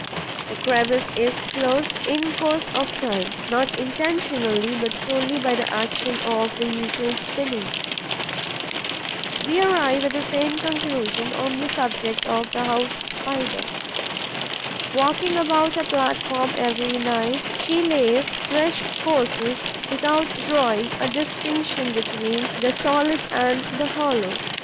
The crevice is closed, in course of time, not intentionally, but solely by the action of the usual spinning. We arrive at the same conclusion on the subject of the House Spider. Walking about her platform every night, she lays fresh courses without drawing a distinction between the solid and the hollow.